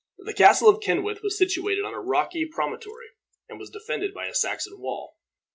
The Castle of Kenwith was situated on a rocky promontory, and was defended by a Saxon wall.